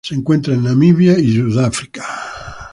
Se encuentra en Namibia y Sudáfrica.